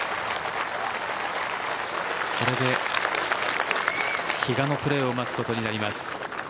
これで比嘉のプレーを待つことになります。